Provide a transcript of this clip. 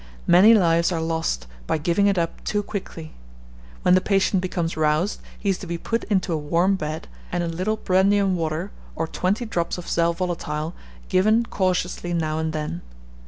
Many lives are lost by giving it up too quickly. When the patient becomes roused, he is to be put into a warm bed, and a little brandy and water, or twenty drops of sal volatile, given cautiously now and then.